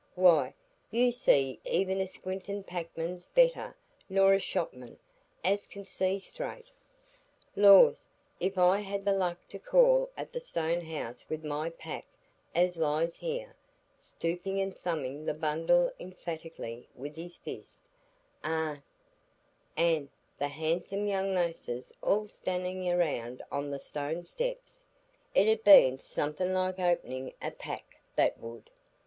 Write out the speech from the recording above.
Why, you see even a squintin' packman's better nor a shopman as can see straight. Lors! if I'd had the luck to call at the stone house wi' my pack, as lies here,"—stooping and thumping the bundle emphatically with his fist,—"an' th' handsome young lasses all stannin' out on the stone steps, it ud' ha' been summat like openin' a pack, that would.